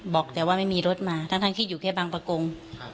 บอกแต่ว่าไม่มีรถมาทั้งที่อยู่แค่บางประกง